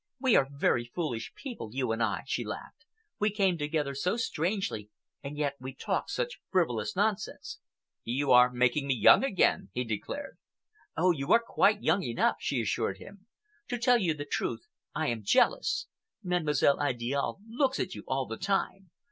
"We are very foolish people, you and I," she laughed. "We came together so strangely and yet we talk such frivolous nonsense." "You are making me young again," he declared. "Oh, you are quite young enough!" she assured him. "To tell you the truth, I am jealous. Mademoiselle Idiale looks at you all the time.